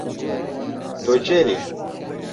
تۆ گێلی!